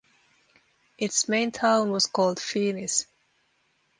Its main town was called Phoenice.